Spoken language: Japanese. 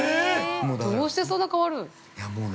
◆どうしてそんな変わる？